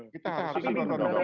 kita harus mendorong dorong